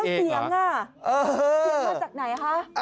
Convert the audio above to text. เสียงมาจากไหนคะ